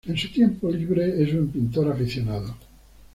En su tiempo libre es un pintor aficionado.